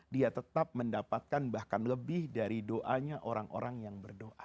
dia tetap mendapatkan bahkan lebih dari doanya orang orang yang berdoa